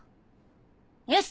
よし！